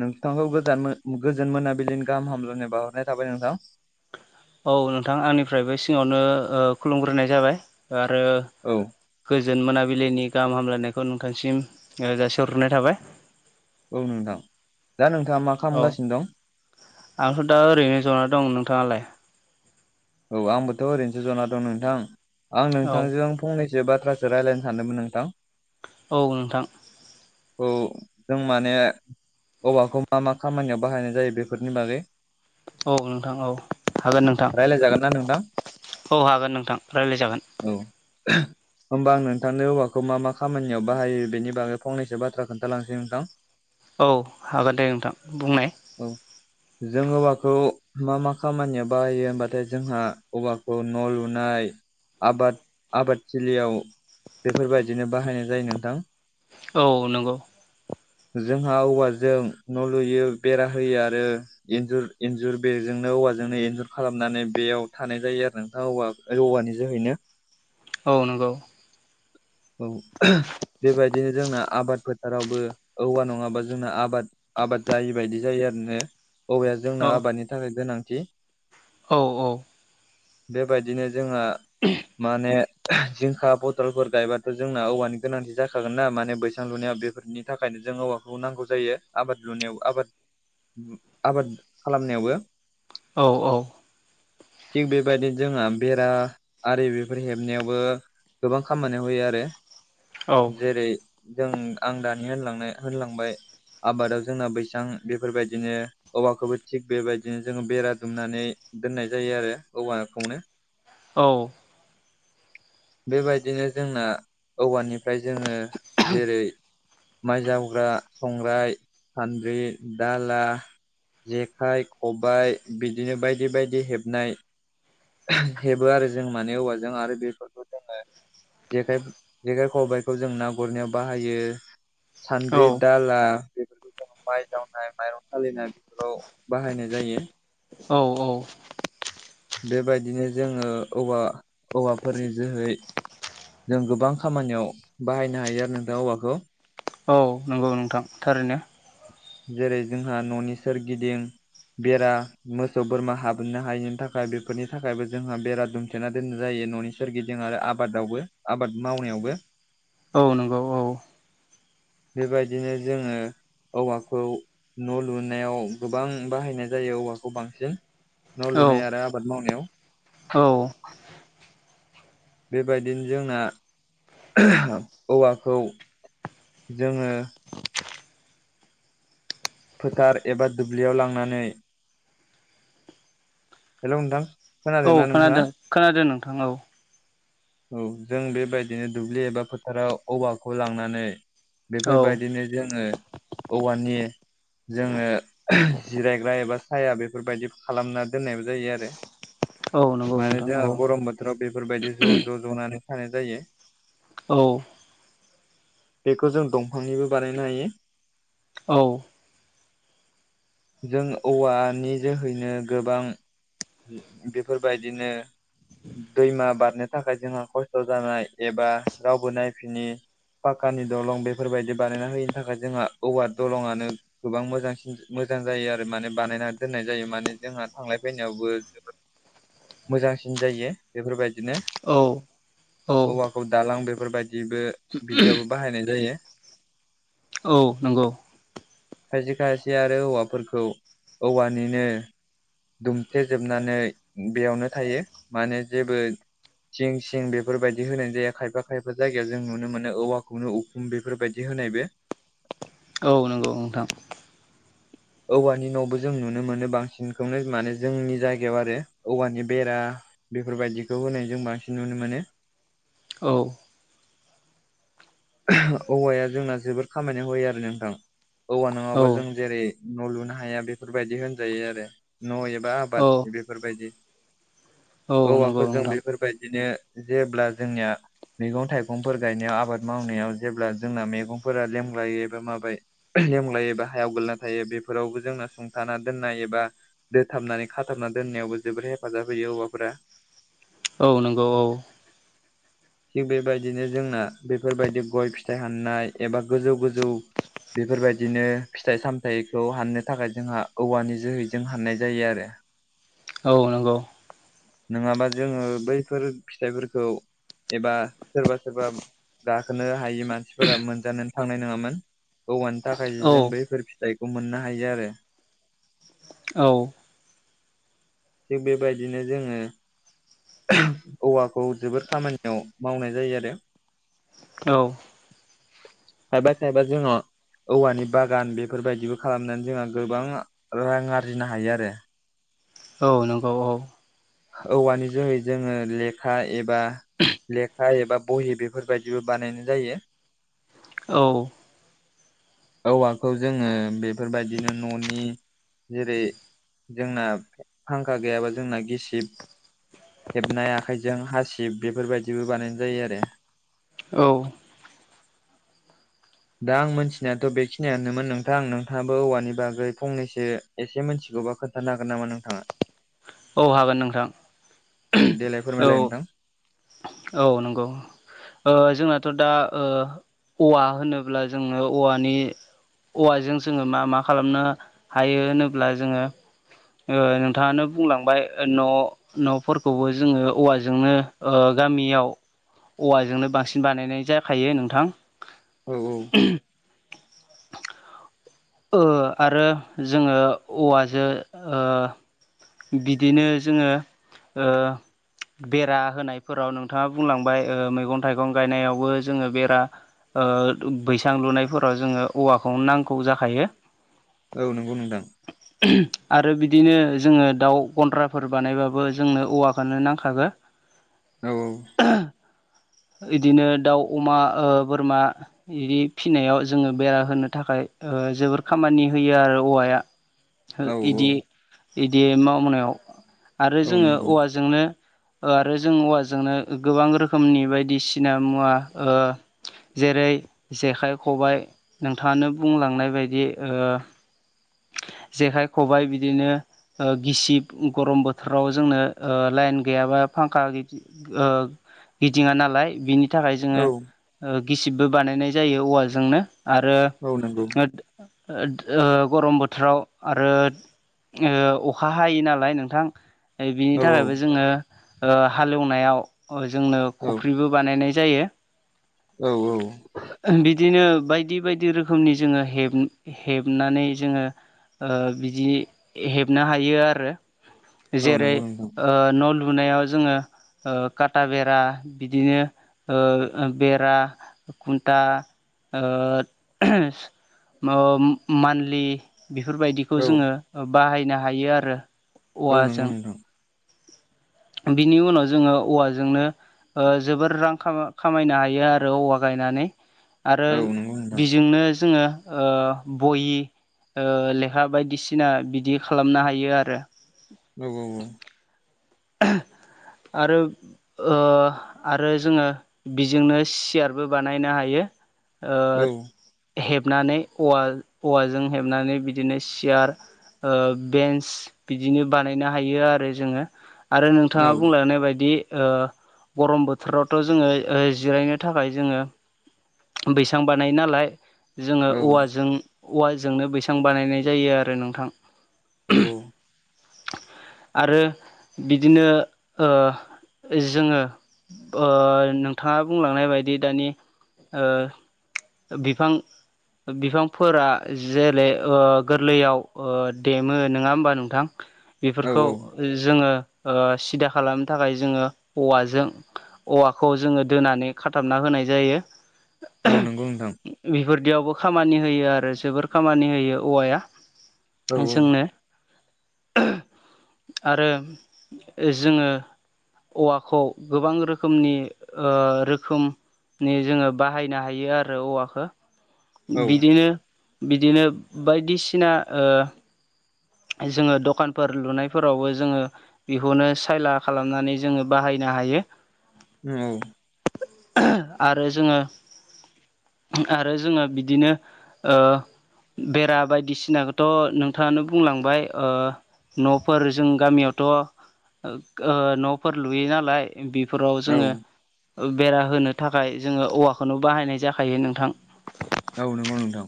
नोंथांखौ गोजान गोजोन मोनाबिलिनि गाहाम हामलायनाय बाउहरनाय थाबाय नोंथां‌। औ नोंथां आंनिफ्रायबो सिङावनो खुलुमग्रोनाय जाबाय आरो औ। गोजोन मोनाबिलिनि गाहाम हामलायनायखौ नोंथांसिम जासिहरग्रोनाय थाबाय। औ नोंथां दा नोंथाङा मा औ खालामगासिनो दं? आंथ' दा ओरैनो जना दं नोंथाङालाय? औ आंबोथ' ओरैनोसो जना दं नोंथां आं औ नोंथांजों फंनैसो बाथ्रासो रायज्लायनो सानदोंमोन नोंथां। औ नोंथां। औ जों माने औवाखौ मा मा खामानियाव बाहायनाय जायो बेफोरनि बागै औ नोंथां औ हागोन नोंथां रायज्लायजागोन ना नोंथां औ हागोन नोंथां रायलायजागोन। औ। होमबा आं नोंथांनो औवाखौ मा मा खामानियाव बाहायो बेनि बागै फंनैसो बाथ्रा खोन्थालांसै नोंथां। औ हागोन दे नोंथां बुंनाय । औ जों औवाखौ मा मा खामानियाव बाहायो होमबाथाय जोंहा औवाखौ न' लुनाय आबाद आबादथिलियाव बेफोरबायदिनो बाहायनाय जायो नोंथां। औ नंगौ। जोंहा औवाजों न' लुयो बेरा होयो आरो इन्जुर इन्जुर बेरजोंनो औवाजोंनो इन्जुर खालामनानै बेयाव थानाय जायो आरो नोंथाङा औवा औवानि जोहैनो औ नंगौ औ बेबायदिनो जोंना आबाद फोथारावबो औवा नङाबा जोंना आबाद आबाद जायि बायदि जायो आरोनो औवाया औ जोंना आबादनि थाखाय गोनांथि औ औ। बेबायदिनो जोंहा माने जिंखा बथलफोर गायबा जोंना औवानि गोनांथि जाखागोन नना माने बैसां लुनायाव बेफोरनि थाखायनो जों औवाखौ नांगौ जायो। आबाद लुनायाव आबाद आबाद खालामनायावबो औ औ थिग बेबायदिनो जोंहा बेरा आरि बेफोर हेबनायावबो गोबां खामानियाव होयो आरो औ जेरै जों आं दानि होनां होनलांबाय आबादाव जोंना बैसां बेफोरबायदिनो औवाखौबो थिग बेबायदिनो जोङो बेरा दुमनानै दोननाय जायो आरो औवाखौनो औ बेबायदिनो जोंना औवानि ओमफ्राय जोङो जेरै माइ जावग्रा संग्राय सान्द्रि दाला जेखाइ, खबाय बिदिनो बायदि बायदि हेबनाय हेबो आरो जों माने औवाजों आरो बेफोरखौ जोङो जेखाय जेखाइ, खबायाइखौ जों ना गुरनायाव बाहायो सान्द्रि दा ला बेफोरखौ जों माइ जावनाय माइरं सालिनाय बेफोराव बाहायनाय जायो। औ औ बेबायदिनो जोङो औव औवाफोरनि जोहै जों गोबां खामानियाव बाहायनो हायो आरो नोंथां औवाखौ औ नंगौ नोंथां थारैनो जेरै जोंहा न'नि सोरगिदिं बेरा मोसौ बोरमा हाबोनो हायिनि थाखाय बेफोरनि थाखायबो जोंहा बेरा दुमथेना दोननाय जायो न'नि सोरगिदिं आरो आबादावबो आबाद मावनायावबो औ नंगौ औ बेबायदिनो जोङो औवाखौ न' लुनायाव गोबां बाहायनाय जायो औवाखौ बांसिन न' औ लुनाय आरो आबाद मावनायाव औ बेबायदिनो जोंना औवाखौ जोङो फोथार एबा दुब्लियाव लांनानै हेल' नोंथां औ खोनादोंना नोंथाङा खोनादों खोनादों नोंथां औ औ जों बेबायदिनो दुब्लि एबा फोथाराव औवाखौ लांनानै औ बेफोरबायदिनो जोङो औवानि जोङो जिरायग्रा एबा साया बेफोरबायदि खालामना दोननायबो जायो आरो औ नंगौ माने नोंथां जोंहा औ गरम बोथोराव बेफोरबायदि ज' ज' ज'नानै थानाय जायो। औ बेखौ जों दंफांनिबो बानायनो हायो। औ जों औवानि जोहैनो गोबां बेफोरबायदिनो दैमा बारनो थाखाय जोंहा खस्थ' जानाय एबा रावबो नायफिनि पाक्कानि दलं बेफोरबायदि बानायना होयिनि थाखाय जोंहा औवार दलंनो गोबां मोजांसिन मोजां जायो आरो माने बानायना दोननाय जायो माने जोंहा थांलाय फैनायावबो [inaudible] मोजांसिन जायो बेफोरबायदिनो औ हौवाखौ दालां बेफोरबायदिबो बिदियावबो बाहायनाय जायो औ नंगौ। खायसे खायसे आरो औवाफोरखौ औवानिनो दुमथ्लेेजोबनानै बेयावनो थायो माने जेबो सिं सिं बेफोरबायदि होनाय जाया खायफा खायफा जायगायाव जों नुनो मोनो औवाखौनो उखुम बेफोरबायदि होनायबो औ नंगौ नोंथां औवानि न'बो जों नुनो मोनो बांसिन बेखौनो माने जोंनि जायगायाव आरो औवानि बेरा बेफोर बायदिखौ होनाय जों बांसिन नुनो मोनो। औ औवाया जोंना जोबोर खामानियाव होयो आरो नोंथां। औवा औ नङाबा जों जेरै न' लुनो हाया बेफोर बायदि होनजायो आरो। न' एबा औ आबाद बेफोर बायदि औ नंगौ औवाखौ जों नोंथां बेफोर बायदिनो जेब्ला जोंनिया मैगं थाइगंफोर गायनायाव आबाद मावनायाव जेब्ला जोंना मैगंफोरा लेमग्लायो एबा माबाय लेमलायो एबा हायाव गोलैना थायो बेफोरावबो जोंना सुंथाना दोननाय एबा दोथाबनानै खाथाबना दोननायावबो जोबोर हेफाजाब होयो औवाफोरा औ नंगौ औ थिग बेबायदिनो जोंना बेफोर बायदि गय फिथाइ हाननाय एबा गोजौ गोजौ बेफोर बायदिनो फिथाइ सामथाइखौ हाननो थाखाय जोंहा औवानि जोहैजों हाननाय जायो आरो। औ नंगौ। नोङाबा जोङो बैफोर फिथाइफोरखौ एबा सोरबा सोरबा गाखोनो हायि मानसिफोरा मोनजानो थांनाय नङामोन। औवानि थाखायसो औ जों बैफोर फिथाइखौ मोननो हायो आरो। औ थिग बेबायदिनो जोङो औवाखौ जोबोर खामानियाव मावनाय जायो आरो। [inaudible] खायफा खायफा जोंनाव औवानि बागान बेफोरबायदिबो खालामनानै जोंहा गोबां रां आरजिनो हायो आरो। औ नंगौ औ औवानि जोहै जोङो लेखा एबा लेखा एबा बहि बेफोर बायदिबो बानायनाय जायो। औ औवाखौ जोङो बेफोर बायदिनो न'नि जेरै जोंना फांखा गैयाबा जोंना गिसिब हेबनाय आखाइजों हासिब बेफोर बायदिबो बानायनाय जायो आरो औ दा आं मोनथिनायाथ' बेखिनियानोमोन नोंथांं। नोंथाङाबो औवानि बागै फंनैसो एसे मिथिगौबा खोन्थानो हागोन नामा नोंथाङा? औ हागोन नोंथां। औ देलाय औ फोरमायलाय नोंथां औ नंगौ। ओ जोंनाथ' दा ओ औवा होनोब्ला जोङो औवानि औवाजों जोङो मा मा खालामनो हायो होनोब्ला जोङो ओ नोंथाङानो बुंलांबाय ओ न' न'फोरखौबो जोङो औवाजोंनो ओ गामियाव औवाजोंनो बा बांसिन बानायनाय जाखायो नोंथां। औ-औ। [inaudible] ओ आरो जोङो औवाजो ओ बिदिनो जोङो ओ बेरा होनायफोराव नोंथाङा बुंलांबाय ओ मैगं थाइगं गायनायावबो जोङो बेरा ओ बैसां लुनायफोराव जोङो औवाखौनो नांगौ जाखायो। औ नंगौ नोंथां। आरो बिदिनो जोङो दाउ गन्द्राफोर बानायबाबो जोंनो औवाखोनो नांखागो। औ बिदिनो दाउ अमा ओ बोरमा बिदि फिसिनायाव जोङो बेरा होनो थाखाय ओ जोबोर खामानि होयो आरो औवाया। [inaudible] ओ औ औ इदि-इदि मावनायाव आरो औ जोङो नंगौ औवाजोंनो आरो जों औवाजोंनो गोबां रोखोमनि बायदिसिना मुवा‌‌ ओ जेरै जेखाइ खबाय नोंथाङानो बुंलांनाय बायदि ओ जेखाइ खबाय बिदिनो ओ गिसिब गरम बोथोराव जोंनो ओ लाइन गैयाबा फांखा गि ओ गिदिङा नालाय बिनि थाखाय औ जोङो गिसिबबो बानायनाय जायो औवाजोंनो आरो औ नंगौ। ओद-ओद ओ गरम बोथोराव आरो ओ अखा हायो नालाय नोंथां। बिनि औ थाखायबो जोङो ओ हाल एवनायाव जोंनो औ खफ्रिबो बानायनाय जायो। औ-औ ओ बिदिनो बायदि-बायदि रोखोमनि जोङो हेब हेबनानै जोङो ओ बिदि हेबनो हायो आरो औ जेरै नंगौ नोंथां ओ न' लुनायाव जोङो ओ काटा बेरा बिदिनो ओ बेरा कुन्टा ओ मा मान्लि बेफोरबायदिखौ औ जोङो बाहायनो हायो आरो। औ नंगौ औवाजों नोंथां। बिनि उनाव जोङो औवाजोंनो ओ जोबोर रां खा खामायनो हायो आरो औवा गायनानै। आरो औ नंगौ नोंथां बिजोंनो जोङो ओ बहि ओ लेखा बायदिसिना बिदि खालामनो हायो आरो। औ-औ-औ। आरो ओ आरो जोङो बिजोंनो सियारबो बानायनो हायो। ओ औ हेबनानै औवा औवाजों हेबनानै बिदिनो सियार ओ बेन्स बिदिनो बानायनो हायो आरो जोङो। आरो औ नोंथाङा बुंलांनाय बायदि ओ गरम बोथोरावथ' जोङो ओ जिरायनो थाखाय जोङो बैसां बानायो नालाय जोङो औ औवाजों औवाजोंनो बैसां बानायनाय जायो आरो नोंथां। औ-औ। आरो बिदिनो ओ जोङो ओ नोंथाङा बुंलांनाय बायदि दानि ओ बिफां बिफांफोरा जेरै ओ गोरलैयाव ओ देमो, नङा होमबा नोंथां? औ बेफोरखौ जोङो ओ सिदा खालामनो थाखाय जोङो औवाजों औवाखौ जोङो दोनानै खाथाबना होनाय जायो। औ नंगौ नोंथां। बेफोरदियावबो खामानि होयो आरो जोबोर खामानि होयो औवाया औ जोंनो। औ आरो जोङो औवाखौ गोबां रोखोमनि ओ रोखोम नि जोङो बाहायनो हायो आरो औवाखो। औ बिदिनो-बिदिनो बायदिसिना ओ जोङो दखानफोर लुनायफोरावबो जोङो बेखौनो सायला खालामनानै जोङो बाहायनो हायो। औ। आरो जोङो आरो जोङो बिदिनो ओ बेरा बायदिसिनाखौथ' नोंथाङानो बुंलांबाय, ओ न'फोर जों गामियावथ' ओ न'फोर लुयो नालाय बेफोराव जोङो औ बेरा होनो थाखाय जोङो औवाखौनो बाहायनाय जाखायो नोंथां। औ नंगौ नोंथां।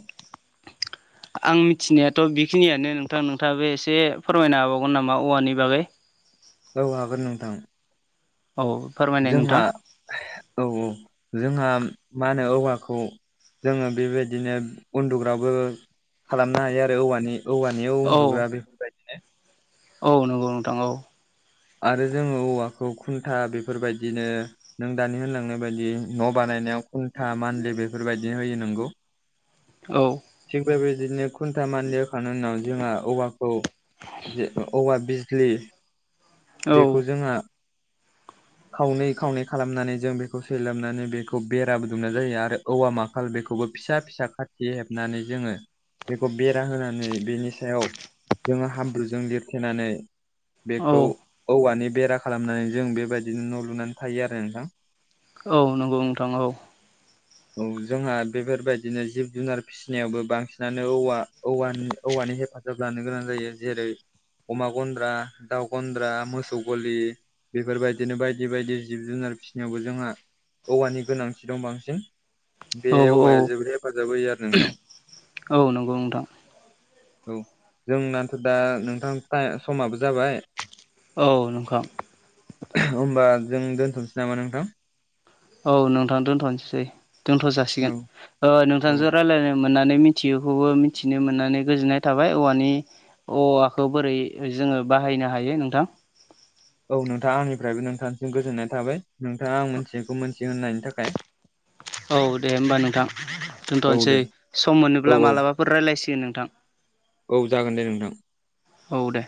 आं मिथिनायाथ' बेखिनियानो नोंथां, नोंथाङाबो एसे फोरमायनो हाबावगोन नामा औवानि बागै? औ हागोन नोंथां। औ। फोरमायनाय जोंहा, नोंथां औ औ जोंहा मा होनो औवाखौ जोङो बेबायदिनो उन्दुग्राबो खालामनो हायो आरो औवानि। औवानियाव उन्दुग्रा औ बेफोरबायदिनो औ नंगौ नोंथां औ। आरो जोङो औवाखौ खुन्था बेफोरबायदिनो नों दानि होनलांनाय बायदि न' बानायनायाव खुन्टा मानलि बेफोरबायदि होयो नोंगौ। औ। थिग बेबायदिनो खुन्था मान्द होखांनायनि उनाव जोंहा औवाखौ जे औवा बिजलि औ बेखौ जोंहा खावनै खावनै खालामनानै जों बेखौ सैलाबनानै बेखौ बेराबो दुमना जायो आरो औवा मा खाल बेखौबो फिसा फिसा खाथि हेबनानै जोङो बेखौ बेरा होनानै बेनि सायाव जोङो हाब्रुजों लिरथेनानै औ बेखौ औवानि बेरा खालामनानै जों बेबायदिनो न' लुनानै थायो आरो नोंथां। औ नंगौ नोंथां औ। औ जोंहा बेफोरबायदिनो जिब जुनार फिसिनायावबो बांसिनानो औवा औवा औवानि हेफाजाब लानो गोनां जायो जेरै अमा गन्द्रा, दाउ गन्द्रा, मोसौ गलि बेफोरबायदिनो बायदि बायदि जिब जुनार फिसिनायावबो जोंहा औवानि गोनांथि दं बांसिन‌ बे औ औ औवाया जोबोद हेफाजाब होयो आरो नोंथां। औ नंगौ नोंथां औ जोंनाथ' दा नोंथां टायम समाबो जाबाय। औ नोंखां। होमबा जों दोन्थ'नोसै नामा नोंथां? औ नोंथां दोन्थ'नोसै, दोनथ' जासिगोन। औ ओ औ नोंथांजों रायज्लायनो मोननानै मिथियैखौबो मिथिनो मोननानै गोजोननाय थाबाय औवानि औवाखौ बोरै जोङो बाहायनो हायो नोंथां। औ नोंथाङा आंनिफ्रायबो नोंथांसिम गोजोननाय थाबाय नोंथाङा आं मिथिनायखौ मोनथिगोन होननायनि थाखाय। औ दे होमबा नोंथां औ दोनथ'नोसै। दे सम औ मोनोब्ला मालाबाफोर रायज्लायसिगोन नोंथां। औ जागोन दे नोंथां। औ दे।